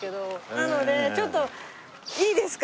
なのでちょっといいですか？